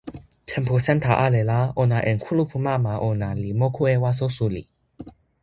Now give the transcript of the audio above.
tenpo Santa ale la ona en kulupu mama ona li moku e waso suli.